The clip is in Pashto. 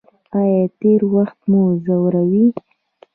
ایا تیر وخت مو ځوروي؟